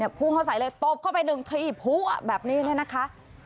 พุ่งเข้าใส่เลยตบเข้าไปหนึ่งทีพัวแบบนี้เนี่ยนะคะ